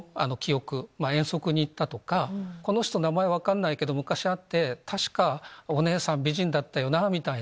まぁ遠足に行ったとかこの人名前分かんないけど昔会って確かお姉さん美人だったよなみたいな。